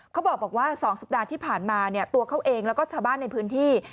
เขาบอกว่า๒สัปดาห์ที่ผ่านมาตัวเขาเองแล้วก็ชาวบ้านในพื้นที่